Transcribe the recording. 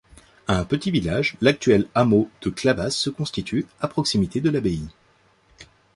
Un petit village, l'actuel hameau de Clavas, se constitue à proximité de l'abbaye.